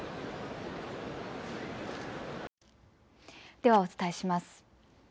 ではお伝えします。